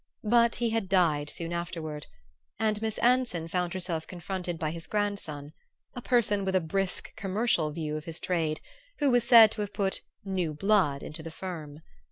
But he had died soon afterward; and Miss Anson found herself confronted by his grandson, a person with a brisk commercial view of his trade, who was said to have put "new blood" into the firm.